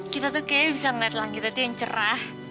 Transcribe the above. kita tuh kayaknya bisa ngeliat langit itu yang cerah